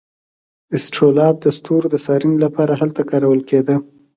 اسټرولاب د ستورو د څارنې لپاره هلته کارول کیده.